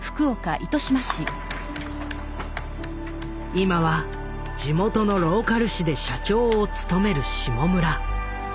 今は地元のローカル紙で社長を務める下村。